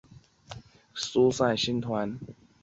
托勒密星团是位于天蝎座的一个疏散星团。